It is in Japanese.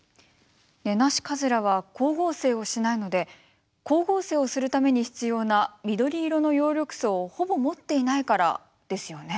ネナシカズラは光合成をしないので光合成をするために必要な緑色の葉緑素をほぼ持っていないからですよね。